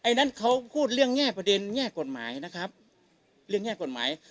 นั้นเขาพูดเรื่องแง่ประเด็นแง่กฎหมายนะครับเรื่องแง่กฎหมาย